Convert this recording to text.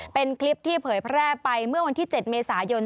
เป็นคลิปที่เผยแพร่ไปเมื่อวันที่๗เมษายน